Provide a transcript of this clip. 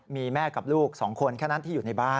มีแม่กับลูก๒คนแค่นั้นที่อยู่ในบ้าน